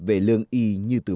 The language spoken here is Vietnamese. về lương y như tử mẫu